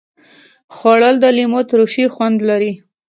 خوړل د لیمو ترشي خوند لري